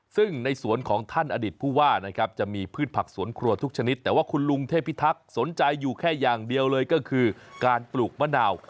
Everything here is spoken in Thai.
ซึ่งในสวนของท่านอดีตผู้ว่านะครับจะมีพืชผักสวนครัวทุกชนิดแต่ว่าคุณลุงเทพิทักษ์สนใจอยู่แค่อย่างเดียวเลยก็คือการปลูกมะนาว